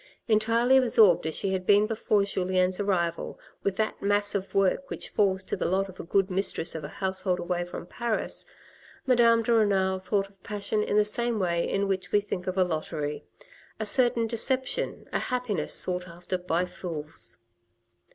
Entirely absorbed as she had been before Julien's arrival with that mass of work which falls to the lot of a good mistress of a household away from Paris, Madame de Renal thought of passion in the same way in which we think of a lottery : a certain deception, a happiness sought after by fools.